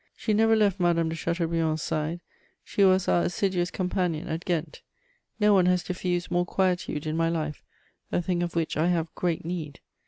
She never left Madame de Chateaubriand's side; she was our assiduous companion at Ghent. No one has diffused more quietude in my life, a thing of which I have great need.